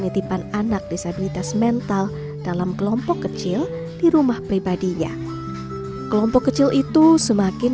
dan anak disabilitas mental dalam kelompok kecil di rumah pribadinya kelompok kecil itu semakin